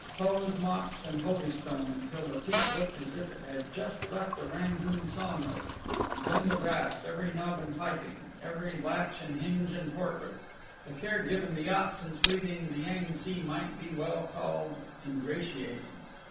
Hose, mops, and holystone, until the teak looked as if it had just left the Rangoon sawmills; then the brass, every knob and piping, every latch and hinge and port loop. The care given the yacht since leaving the Yang tse might be well called ingratiating.